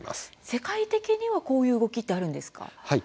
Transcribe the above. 世界的にはこういう動きってあるんですか？